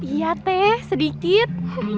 iya teh sedikit